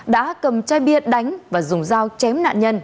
đã cầm chai bia đánh và dùng dao chém nạn nhân